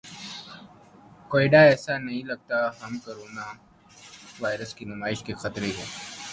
Covid ایسا نہیں لگتا کہ ہم کورونا وائرس کی نمائش کے خطرے ک